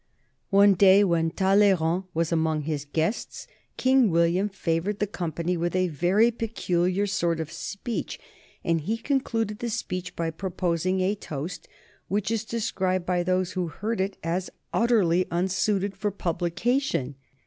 One day when Talleyrand was among his guests King William favored the company with a very peculiar sort of speech, and he concluded the speech by proposing a toast which is described by those who heard it as utterly unsuited for publication.